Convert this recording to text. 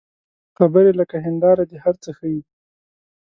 خبرې لکه هنداره دي، هر څه ښيي